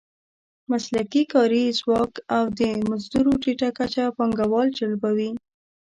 مسلکي کاري ځواک او د مزدور ټیټه کچه پانګوال جلبوي.